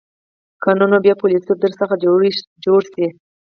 که نه نو بیا به فیلسوف در څخه جوړ شي.